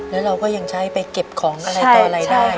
แล้วเราก็ยังใช้ไปเก็บของอะไรต่ออะไรได้